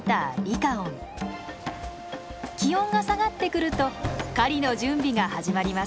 気温が下がってくると狩りの準備が始まります。